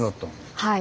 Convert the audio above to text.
はい。